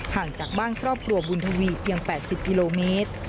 ห่างจากบ้านครอบครัวบุญทวีเพียง๘๐กิโลเมตร